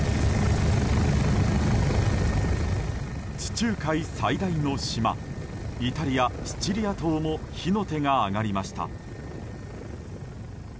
地中海最大の島イタリア・シチリア島も火の手が上がりました。